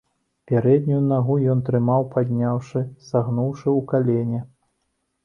Пярэднюю нагу ён трымаў падняўшы, сагнуўшы ў калене.